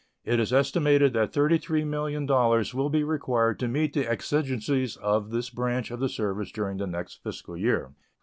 It is estimated that $33,000,000 will be required to meet the exigencies of this branch of the service during the next fiscal year.